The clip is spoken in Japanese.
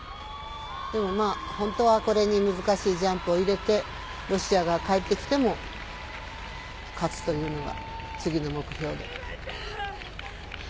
本当はこれに難しいジャンプを入れてロシアが帰ってきても勝つというのが次の目標で。